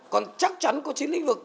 còn chắc chắn có chín lĩnh vực